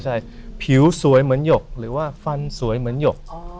ใช่ผิวสวยเหมือนหยกหรือว่าฟันสวยเหมือนหยก